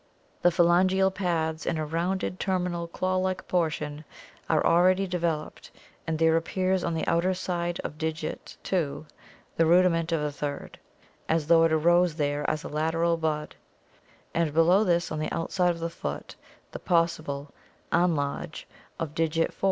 The phalangeal pads and a rounded, terminal, daw like portion are already developed and there appears on the outer side of digit II the rudiment of a third, as though it arose there as a lateral bud, and below this on the outside of the foot the possible Anlage of digit IV.